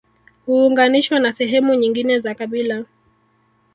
Huunganishwa na sehemu nyingine za kabila